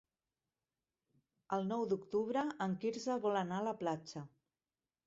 El nou d'octubre en Quirze vol anar a la platja.